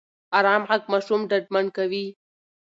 ارام غږ ماشوم ډاډمن کوي.